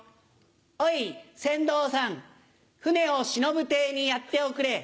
「おい船頭さん船を『しのぶ亭』にやっておくれ。